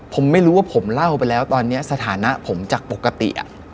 ผมไม่รู้ว่าผมเล่าไปแล้วตอนนี้สถานะผมจากปกติ